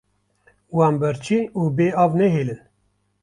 Wan birçî û bêav nehêlin.